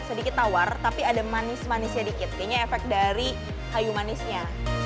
sedikit tawar tapi ada manis manisnya dikit kayaknya efek dari kayu manisnya